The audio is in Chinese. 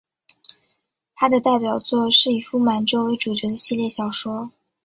他的代表作是以傅满洲为主角的系列小说。